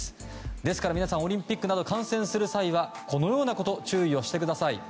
ですから皆さんオリンピックなど観戦する際はこのようなこと注意をしてください。